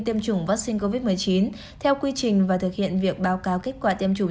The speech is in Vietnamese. tiêm chủng vaccine covid một mươi chín theo quy trình và thực hiện việc báo cáo kết quả tiêm chủng